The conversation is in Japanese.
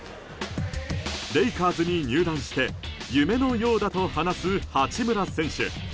レイカーズに入団して夢のようだと話す八村選手。